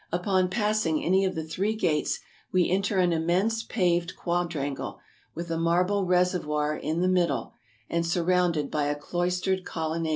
Upon passing any of the three gates we enter an immense paved quadrangle, with a marble reservoir in the middle, and sur rounded by a cloistered colonnade.